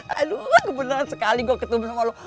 aduh beneran sekali gue ketemu sama lo